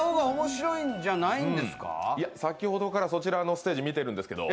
先ほどからそちらのステージ見てるんですけど。